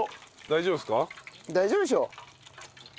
大丈夫でしょ。